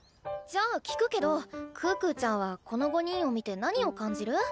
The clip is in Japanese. じゃあ聞くけど可可ちゃんはこの５人を見て何を感じる？